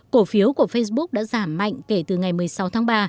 cổ phiếu của facebook đã giảm mạnh kể từ ngày một mươi sáu tháng ba